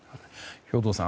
兵頭さん